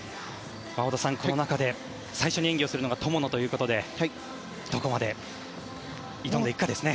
織田さん、この中で最初に演技をするのが友野ということでどこまで挑んでいくかですね。